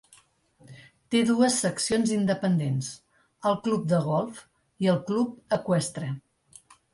Té dues seccions independents: el club de golf i el club eqüestre.